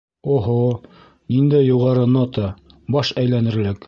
— Оһо, ниндәй юғары нота, баш әйләнерлек.